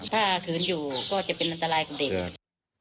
ถ้าขืนอยู่ก็จะเป็นอันตรายกับเด็ก